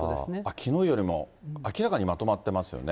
きのうよりも、明らかにまとまってますよね。